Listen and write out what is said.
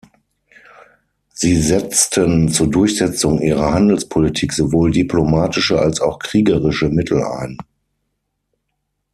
Sie setzten zur Durchsetzung ihrer Handelspolitik sowohl diplomatische als auch kriegerische Mittel ein.